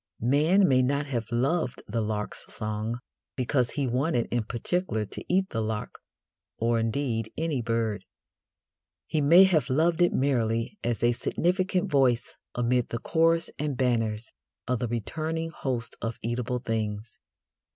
Man may not have loved the lark's song because he wanted in particular to eat the lark, or, indeed, any bird. He may have loved it merely as a significant voice amid the chorus and banners of the returning hosts of eatable things.